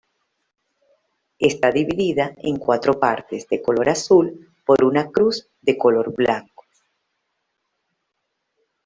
Está dividida en cuatro partes de color azul por una cruz de color blanco.